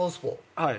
はい。